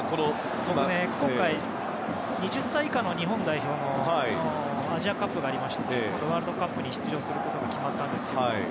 今回、２０歳以下の日本代表のアジアカップがありましたけどそしてワールドカップに出場することも決まったんですが。